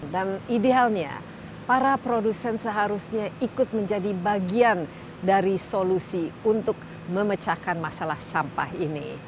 dan idealnya para produsen seharusnya ikut menjadi bagian dari solusi untuk memecahkan masalah sampah ini